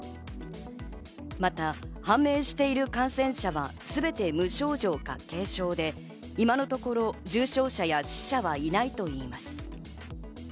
また判明している感染者は全て無症状か軽症で、今のところ重症者や死者はいないと言います。